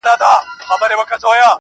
زاهده دغه تا نه غوښتله خدای غوښتله,